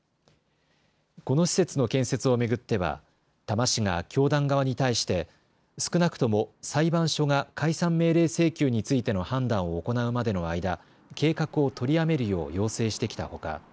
この施設の建設を巡っては多摩市が教団側に対して少なくとも裁判所が解散命令請求についての判断を行うまでの間、計画を取りやめるよう要請してきたほか